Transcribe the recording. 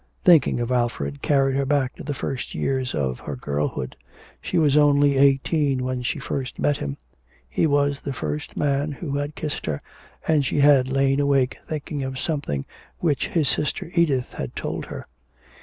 Thinking of Alfred carried her back to the first years of her girlhood. She was only eighteen when she first met him. He was the first man who had kissed her, and she had lain awake thinking of something which his sister Edith had told her.